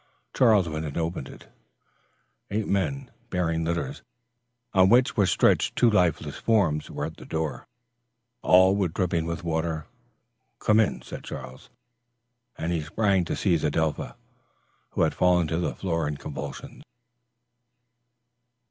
Charles went and opened it. Eight men, bearing litters, on which were stretched two lifeless forms, were at the door. All were dripping with water. "Come in!" said Charles, and he sprang to seize Adelpha, who had fallen to the floor in a convulsion.